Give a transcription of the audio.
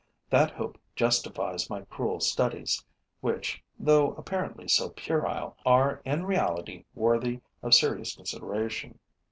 That hope justifies my cruel studies, which, though apparently so puerile, are in reality worthy of serious consideration.